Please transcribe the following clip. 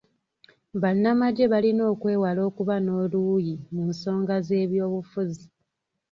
Bannamagye balina okwewala okuba n'oluuyi mu nsonga z'ebyobufuzi.